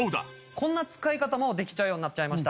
こんな使い方もできちゃうようになっちゃいました。